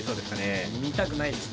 見たくないですね。